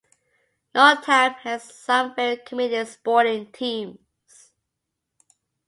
Northam has some very committed sporting teams.